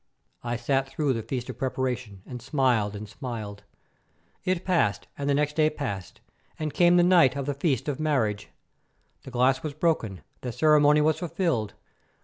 I sat through the Feast of Preparation and smiled and smiled. It passed and the next day passed, and came the night of the Feast of Marriage. The glass was broken, the ceremony was fulfilled.